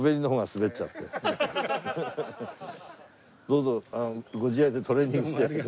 どうぞご自愛でトレーニングして頑張って。